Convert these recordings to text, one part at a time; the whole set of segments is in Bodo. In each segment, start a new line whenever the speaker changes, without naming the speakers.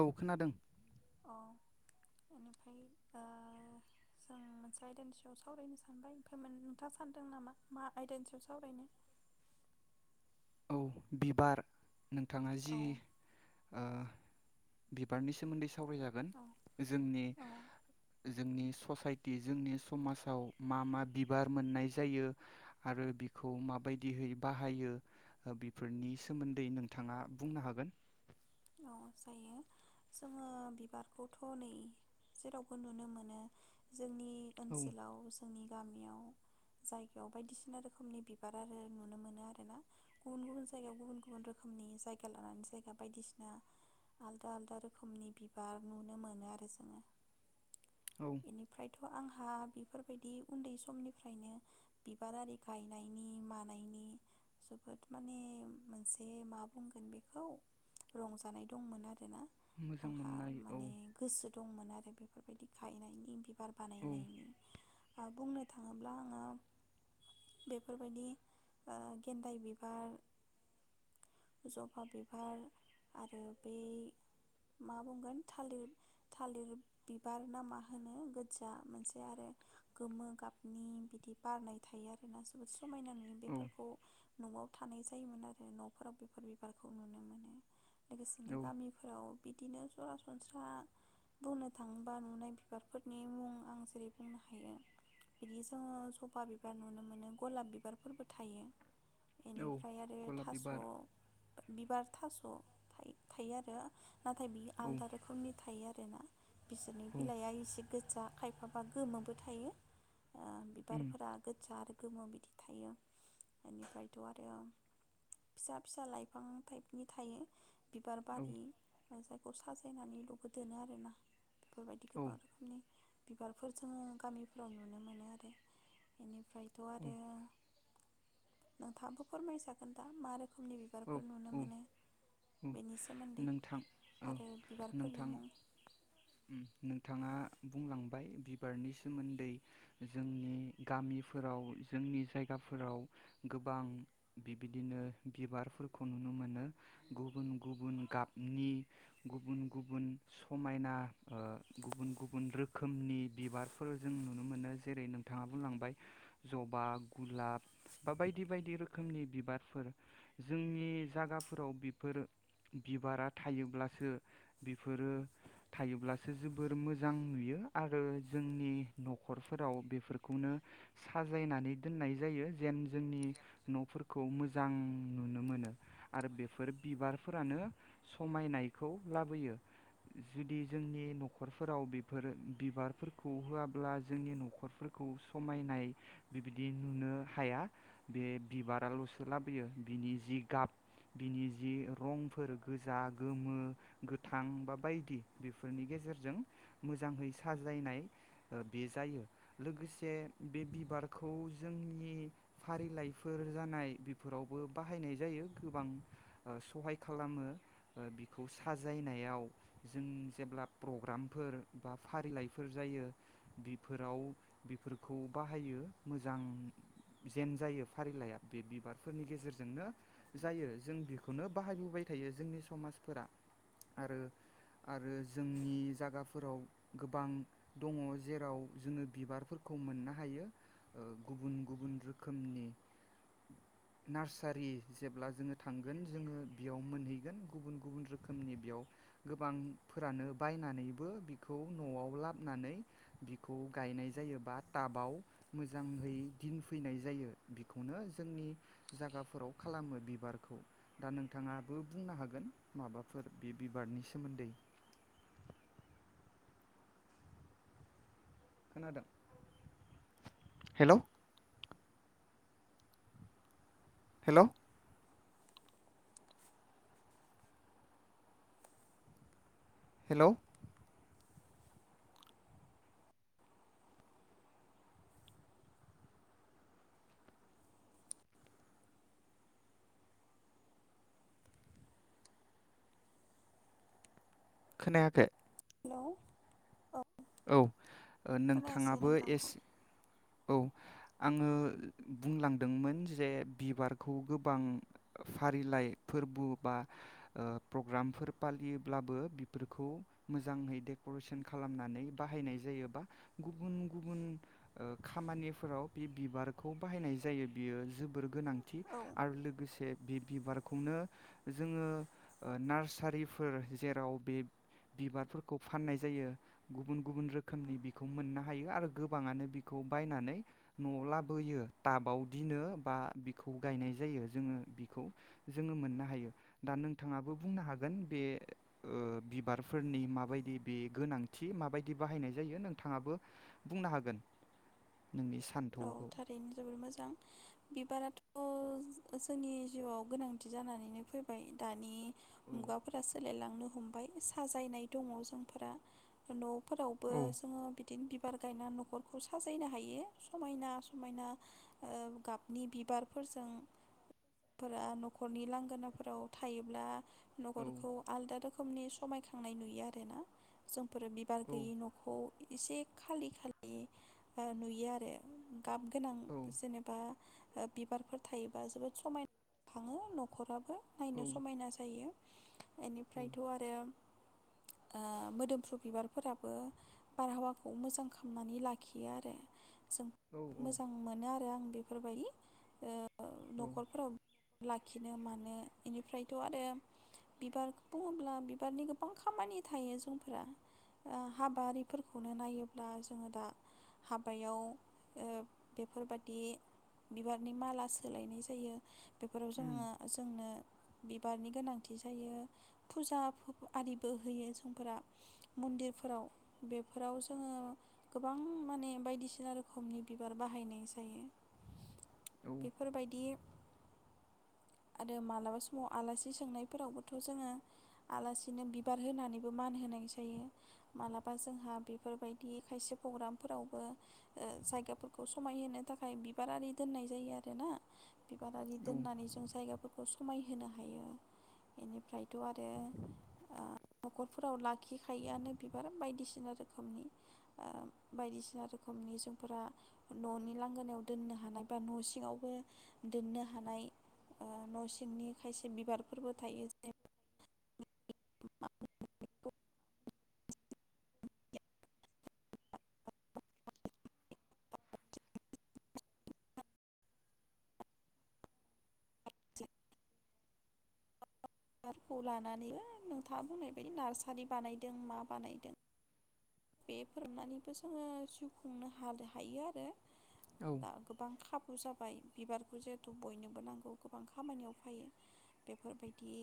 औ खोनादों
औ बेनिफ्राय जों मोनसे आयदानि सयाव सावरायनो सानबाय ओमफ्राय नोंथाङा सानदों नामा मा आयदानि सयाव सावरायनो [unintelligible]
औ बिबार नोंथाङा
औ
जि बिबारनि सोमोन्दै स सावराय जागोन
औ
जोंनि
औ
जोंनि ससाइटि जोंनि समाजाव मा मा बिबार मोननाय जायो आरो बिखौ माबायदिहै बाहायो बेफोरनि सोमोन्दै नोंथाङा बुंनो हागोन
औ जायो जोङो बिबारखौथ' नै जेरावबो नुनो मोनो जोंनि
औ
ओनसोलाव जोंनि गामियाव जायगायाव बायदिसिना रोखोमनि बिबार आरो नुनो मोनो आरो ना गुबुन गुबुन जायगायाव गुबुन गुबुन रोखोमनि जायगा लानानै जायगा बायदिसिना बि आलदा आलादा रोखोमनि बिबार नुनो मोनो आरो जोङो
औ
बेनिफ्रायथ' आंहा बेफोरबायदि उन्दै समनिफ्रायनो बिबार आरि गायनायनि मानायनि जोबोद माने मोनसे मा बुंगोन बेखौ रंजानाय दंमोन आरोना
मोजां
आंहा
मोननाय औ
माने गोसो दंमोन आरो बे बेफोरबायदि गायनायनि बिबार
औ
बानायनायनि बुंनो थाङोब्ला आङो बेफोरबायदि ओ गेन्दाय बिबार जबा बिबार आरो बे मा बुंगोन थालिर थालिर बिबार ना मा होनो गोजा मोनसे आरो गोमो गाबनि बिदि बारनाय थायो आरोना जोबोद समायना नुयो
औ
बेफोरखौ न'आव थानाय जायोमोन आरो न'फोराव बेफोर बिबारखौ नुनो मोनो लोगोसेनो
औ
गामिफोराव बिदिनो सरासनस्रा बुंनो थाङोबा नुनाय बिबारफोरनि मुं आं जेरै बुंनो हायो बिदि जोङो सबा बिबार नुनो मोनो गलाब बिबारफोरबो थायो
औ
एनिफ्राय आरो
गलाब
थास'
बिबार
बिबार थास' थायो आरो नाथाय बियो
औ
आलदा रोखोमनि थायो आरो ना बिसोरनि
औ
बिलाइआ एसे गोजा खायफाबा गोमोबो थायो ओ
उम
बिबारफोरा गोजा आरो गोमो बिदि थायो बेनिफ्रायथ' आरो फिसा फिसा लाइफां टाइपनि थायो बिबार
औ
बारि जायगवखौ साजायनानैल'बो दोनो आरोना बेफोरबायदि गोबां रोखोमनि बिबारफोर जोङो गामिफ्राव नुनो मोनो आरो बेनि ओमफ्रायथ'
औ
आरो नोंथाङाबो फोरमायजागोन दा मारै रोखोमनि
औ
बिबारफोर नुनो
औ
मोनो
औ
बेनि सोमोन्दै
नोंथां औ
आरो बिबारफोरनि मुं
थाङा बुंलांबाय बिबारनि सोमोन्दै जोंनि गामिफोराव जोंनि जायगाफोराव गोबां बिबिदिनो बिबार फोरफोरखौ नुनो मोनो गुबुन गुबुन गाबनि गुबुन गुबुन समायना ओ गुबुन गुबुन रोखोमनि बिबारफोर जों नुनो मोनो जेरै नोंथाङा बुंलांबाय जबा गुलाब बा बायदि बायदि रोखोमनि बिबारफोर जोंनि जागाफोराव बेफोर बिबारा थायोब्लासो बेफोरो थायोब्लासो जोबोर मोजां नुयो आरो जोंनि न'खरफोराव बेफोरखौनो साजायनानै दोननाय जायो जेन जोंनि न'फोरखौ मोजां नुनो मोनो आरो बेफोर बिबारफोरानो समायनायखौ लाबोयो जुदि जोंनि न'खरफोराव बेफोर बिबारफोरखौ होआब्ला जोंनि न'खरफोरखौ समायनाय बिबायदि नुनो हाया बे बिबाराल'सो लाबोयो बिनि जि गाब बिनि जि रंफोर गोजा गोमो गोथां बा बायदि बेफोरनि गेजेरजों मोजाङै साजायनाय बे जायो लोगोसे बे बिबारखौ जोंनि फारिलाइफोर जानाय बेफोराव बाहायनाय जायो गोबां सहाय खालामो बिखौ साजायनायाव जों जेब्ला प्रग्रामफोर बा फारिलाइफोर जायो बिफोराव बिफोरखौ बाहायो मोजां जेन जायो फारिलाइया बे बिबार फोरनि गेजेरजोंनो जायो जों बेखौनो बाहायबोबाय थायो जोंनि समाजफोरा आरो आरो जोंनि जागाफोराव गोबां दङ जेराव जोङो बिबारफोरखौ मोननो हायो ओ गुबुन गुबुन रोखोमनि नार्सारि जेब्ला जोङो थांगोन जोङो बेयाव मोनहैगोन गुबुन गुबुन रोखोमनि बेयाव गोबांफोरानो बायनानैबो बिखौ न'आव लाबोनानै बिखौ गायनाय जायो बा टाबाव मोजाङै दिनफैनाय जायो बेखौनो जोंनि जायगाफोराव खालामो बिबारखौ दा नोंथाङाबो बुंनो हागोन माबाफोर बे बिबारनि सोमोन्दै खोनादों हेल' हेल' हेल' खोनायाखै
हेल'
औ नोंथाङाबो
नोंथांखौ
एस औ आङो बुंलांदोंमोन जे बिबारखौ गोबां फारिलाइ फोरबो बा ओ प्रग्रामफोर फालियोब्लाबो बिफोरखौ मोजाङै डेक'रेसन खालामनानै बाहायनाय जायोबा गुबुन गुबुन ओ खामानिफोराव बे बिबारखौ बाहायनाय जायो बियो जोबोर गोनांथि
औ
थि आरो लोगोसे बे बिबारखौनो जोङो नार्सारिफोर जेराव बे बिबारफोरखौ फाननाय जायो गुबुन गुबुन रोखोमनि बिखौ मोननो हायो आरो गोबाङानो खौ बायनानै न'आव लाबोयो टाबाव दिनो बा बिखौ गायनाय जायो जोङो बिखौ जोङो मोननो हायो दा नोंथाङाबो बुंनो हागोन बे बिबारफोरनि माबायदि बे गोनांथि माबायदि बाहायनाय जायो नोंथाङाबो बुंनो हागोन नोंनि
औ
सान्थौखौ
थारैनो जोबोर मोजां बिबाराथ' अ जोंनि जिउआव गोनांथि जानानैनो फैबाय दानि
औ
मुगाफोरा सोलायलां लांनो हमबाय साजायनाय दङ जोंफोरा न' फोरावबो
औ
जोङो बिदिनो बिबार गायनानै न'खरखौ साजायनो हायो समायना समायना ओ गाबनि बिबारफोरजोंफोरा न'खरनि लांगोनाफोराव थायोब्ला
औ
नखरखौ आलदा रोखोम रोखोमनि समायखांनाय नुयो आरोना जों फोर बिबार
औ
गैयि न'खौ एसे खालि खालि ओ नुयो आरो द गाब गोनां
औ
जेनेबा ओ बिबारफोर थायोबा जोबोद समायना खााङो न'खराबो
औ
नायनो समायना जायो बेनिफ्रायथ' आरो ओ मोदोमफ्रु बिबारफोराबो बारहावाखौ मोजां खालामनानै लाखियो आरो जों
औ औ
मोजां मोनो आरो आं बेफोरबायदि ओ
औ
न'खरफोराव लाखिनो मानो बेनिफ्रायथ' आरो बिबार बुङोब्ला बिबारनि गोबां खामानि थायो जोंफोरा हाबा आरिफोरखौनो नायोब्ला जोङो दा हाबायाव बेफोरबादि बिबारनि माला सोलायनाय जायो बेफोराव जोङो
उम
जोंनो बिबारनि गोनांथि जायो फुजा आरिबो होयो जोंफोरा मन्दिरफोराव बेफोराव जोङो गोबां माने बायदिसिना रोखोम खोमनि बिबार बाहायनाय जायो
औ
बेफोरबायदि आरो मालाबा समाव आलासि सोंनायफोरावबोथ' जोङो आलासिनो बिबार होनानैबो मान होनाय जायो मालाबा जोंहा बेफोरबायदि खायसे प्रग्रामफोरावबो ओ जायगाफोरखौ समायहोनो थाखाय बिबारारि दोननाय जायो आरो ना बिबार आरि
औ
दोननानै जों जायगाफोरखौ खौ समायहोनो हायो बेनिफ्रायथ' आरो न'खरफोराव लाखिखायोआनो बिबार बायदिसिना रोखोमनि बायदिसिना रोखोम रोखोमनि जोंफोरा न'नि लांगोनायाव दोननो हानाय बा न' सिङावबो दोननो हानाय न' सिंनि खायसे बिबारफोरबो थायो जेरै [inaudible] बिबारखौ लानानैबो नोंथाङा बुंनाय बायदि नार्सारि बानायदों मा बानायदों बे फोरोमनानैबो जोङो जिउ खुंनो हानो हायो आरो
औ
दा गोबां खा बे जाबाय बिबारखौ जिहेथु बयनोबो नांगौ गोबां खामानियाव फैयो बेफोरबायदि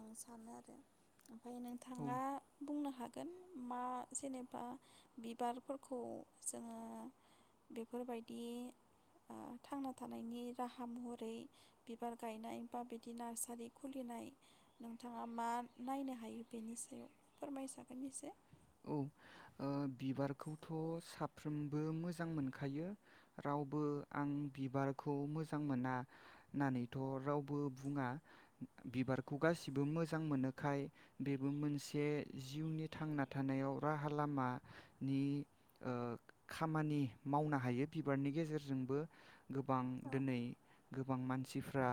आं सानो आरो
औ
नोंथाङा बुंनो हागोन मा जेनेबा बा बिबारफोरखौ जोङो बेफोरबायदि ओ थांना थानायनि राहा महरै बिबार गायनाय बा बिदि नार्सारि खुलिनाय नोंथाङा मा नायनो हायो बेनि सायाव फोरमायसागोन एसे
औ ओ बिबारखौथ' साफ्रोमबो मोजां मोनखायो रावबो आं बिबारखौ मोजां मोना होननानैथ' रावबो बुङा बिबारखौ गासिबो मोजां मोनोखाय बेबो मोनसे जिउनि थांना थानायाव राहा लामानि खामानि मावनो हायो बिबारनि गेजेरजोंबो गोबां
औ
दिनै गोबां मानसिफ्रा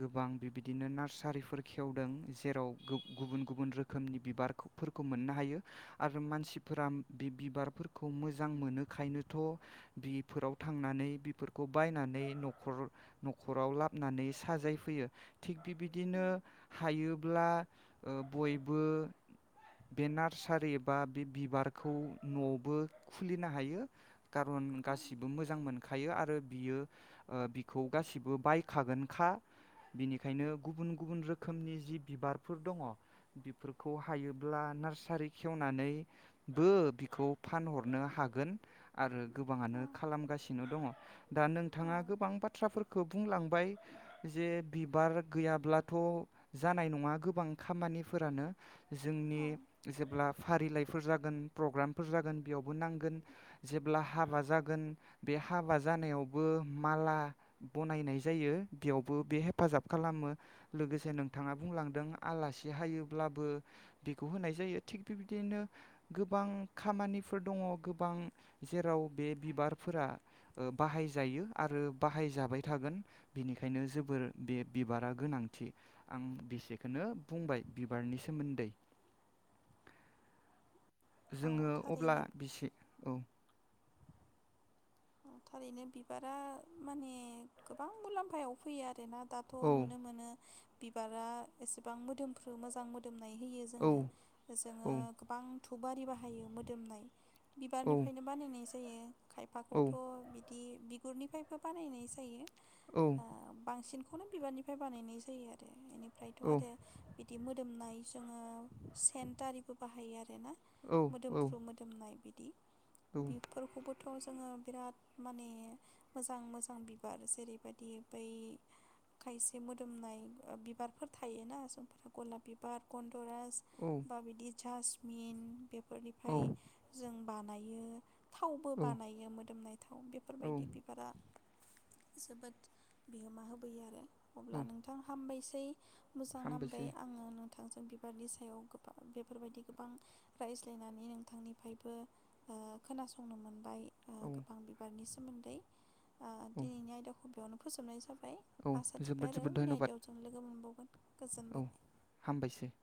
गोबां बिबायदिनो नार्सारिफोर खेवदों जेराव गुबुन गुबुन रोखोमनि बिबारफोरखौ मोननो हायो। आरो मानसिफोरा बे बिबारफोरखौ मोजां मोनोखायनोथ' बिफोराव थांनानै बिफोरखौ बायनानै न'खर न'खराव लाबोनानै साजायफैयो थिग बिबायदिनो हायोब्ला बयबो बेना थ्सारि एबा बे बिबारखौ न'आवबो खुलिनो हायो। खारन
औ
गासिबो मोजां मोनखा आरो बियो बिखौ गासिबो बायखागोनखा बिनिखायनो गुबुन गुबुन रोखोमनि जि बिबारफोर दङ बेफोरखौ हायोब्ला नार सारि खेवनानैबो बिखौ फानहरनो हागोन आरो। गोबाङानो खालामगासिनो दङ दा
औ
नोंथाङा गोबां बाथ्राफोरखौ बुंलांबाय जे बिबार गैयाब्लाथ' जानाय नङा गोबां खामानिफोरानो जोंनि
औ
जेब्ला फारिलाइफोर जागोन प्रग्रामफोर जागोन बेयावबो नांगोन जेब्ला हाबा जागोन बे हाबा जानायावबो माला बनायनाय जायो बेयावबो बे हेफाजाब खालामो लोगोसे नोंथाङा बुंलांदों आलासि हायोब्लाबो बेखौ होनाय। जायो थिग बेबायदिनो गोबां खामानिफोर दङ गोबां जेराव बे बिबारफोरा बाहायजायो आरो बाहायजाबाय थागोन बिनिखायनो जोबोर बे बिबारा गोनांथि आं बेसेखनो बुंबाय बिबारनि सोमोन्दै
औ
जोङो
थारैनो
अब्ला बेसे औ
थारैनो बिबारा माने गोबां मुलाम्फायाव फैयो आरोना दाथ'
औ
नुनो मोनो। बिबारा एसेबां मोदोमफ्रो मोजां मोदोमो नाय होयो
औ
जोंनो जोङो
औ
गोबां धुप आरि बाहायो मोदोमनाय बिबारनिफ्रायनो बानायनाय जायो। जायो खायफा
औ
बिदि बिगुरनिफ्रायबो बानायनाय जायो।
औ
ओ बांसिन बेखौनो बिबारनिफ्राय बानायनाय जायो आरो। ओमफ्रायथ'
औ
आरो बिदि मोदोमनाय जोङो सेन दारिबो बाहायो आरो ना
औ
मोदोमफ्रु मोदोमनाय बिदि
औ
बेफोरखौबो थ' जोङो। बिराद माने मोजां मोजां बिबार जेरैबायदि बै खायसे मोदोमनाय बिबारफोर थायोना समफोरा गलाब बिबार ग
औ
बा बिदि जासमिन बे
औ
फोरनिफ्राय जों बानायो थावबो
औ
बानायोमोन [unintelligible] थाव
औ
बेफोरबायदि बिबारा जोबोद बिहोमा होबोयो आरो
औ
अब्ला नोंथां हामबाय सै मोजां
हामबायसै
नांबाय आङो नों थांजों बिबारनि सायाव गोबां बेफोरबायदि गोबां रायज्लायनानै नोंथांनिफ्रायबो ओ खोनासंनो मोनबाय
औ
गोबां बिबारनि सोमोन्दै ओ
औ
दिनैनि आयदाखौ बेयावनो फोजोबनाय जा बाय
औ
आसा
जोबोद
थिबाय आरो
जोबोद
उननि
धन्यबाद
आयदायाव जों लोगो मोनबाव
औ हामबायसै